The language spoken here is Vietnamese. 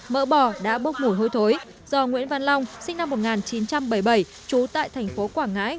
mỡ bò đã bốc mùi hôi thối do nguyễn văn long sinh năm một nghìn chín trăm bảy mươi bảy trú tại thành phố quảng ngãi